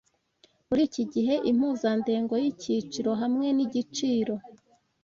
Muri iki gihe impuzandengo yicyiciro hamwe nigiciro